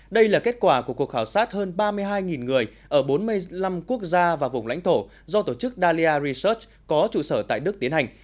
đây là kết quả của cuộc khảo sát hơn ba mươi hai người ở bốn mươi năm quốc gia và vùng lãnh thổ do tổ chức dalia research có trụ sở tại đức tiến hành